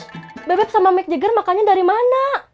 terus bebep sama mick jagger makannya dari mana